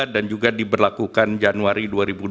dan juga diberlakukan januari dua ribu dua puluh empat